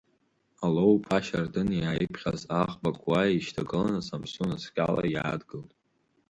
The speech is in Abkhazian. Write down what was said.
Алоу-иԥа Шьардын иааиԥхьаз аӷбакуа еишьҭагыланы Самсун асқьала иаадгылт.